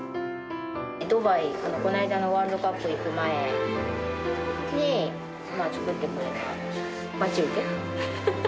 ドバイ、この間のワールドカップ行く前に、作ってくれた待ち受け。